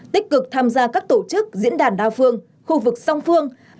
tích cực tham gia các tổ chức diễn đàn đa phương khu vực song phương